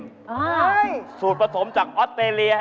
ใช่สูตรผสมจากออสเตรเลีย